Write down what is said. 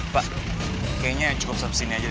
pak kayaknya cukup sampai sini aja